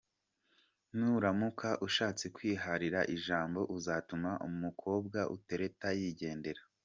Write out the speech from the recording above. Nuramuka ushatse kwiharira ijambo uzatuma umukobwa utereta yigendera.